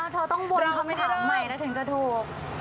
เธอต้องวนคำถามใหม่ถึงจะถูก